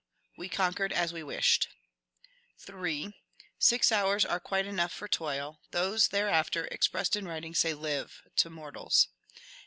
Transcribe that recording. We conquered as we wished. " 8. ^^ Six hours are quite enough for toil : those thereafter, expressed in writing, say LIVE I to mortals."